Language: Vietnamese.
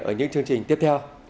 ở những chương trình tiếp theo